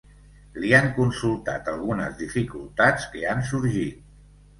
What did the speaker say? Li han consultat algunes dificultats que han sorgit.